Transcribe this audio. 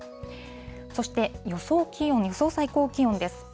そして、予想気温、予想最高気温です。